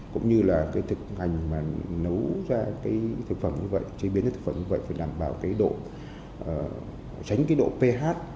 cũng như là cái thực hành mà nấu ra cái thực phẩm như vậy chế biến ra thực phẩm như vậy phải đảm bảo cái độ tránh cái độ ph